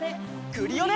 クリオネ！